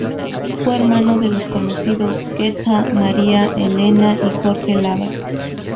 Fue hermano de los conocidos Queta, María Elena y Jorge Lavat.